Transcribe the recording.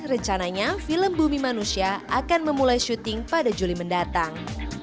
rencananya film bumi manusia akan memulai syuting pada juli mendatang